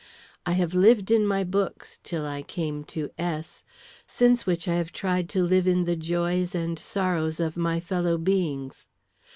I have lived in my books till I came to S , since which I have tried to live in the joys and sorrows of my fellow beings.